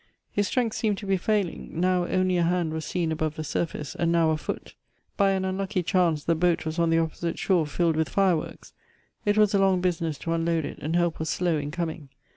His strength seemed to be failing — now only a hand was seen above the surface, and now a foot. By an unlucky chance the boat was on the oppo site shore filled with fireworks — it was a long business to unload it, and help was slow in coming.